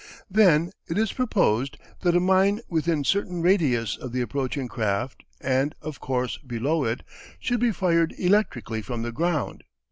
Then, it is proposed that a mine within d certain radius of the approaching craft, and, of course, below it, should be fired electrically from the ground.